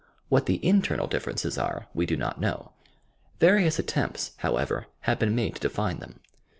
What the internal differences are we do not know. Various attempts, however, have been made to define them.